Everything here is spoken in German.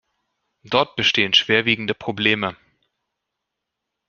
Dort bestehen schwerwiegende Probleme.